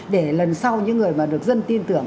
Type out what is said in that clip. để lần sau những người mà được dân tin tưởng